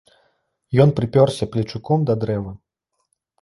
Ён прыпёрся плечуком да дрэва.